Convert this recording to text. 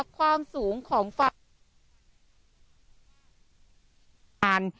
ความสูงของฝั่ง